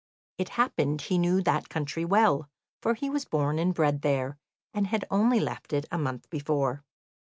It happened he knew that country well, for he was born and bred there, and had only left it a month before.